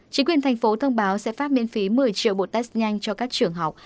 chính quyền thành phố thông báo sẽ phát miễn phí một mươi triệu bộ test nhanh cho các trường học